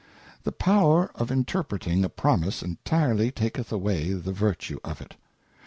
The power of interpreting a Promise intirely taketh away the virtue of it.